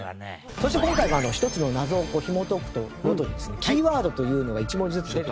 そして今回も１つの謎をひもとくごとにですねキーワードというのが１文字ずつ出てきますけども。